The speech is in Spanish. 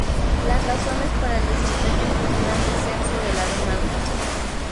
Las razones para el desempeño fue un gran descenso de la demanda.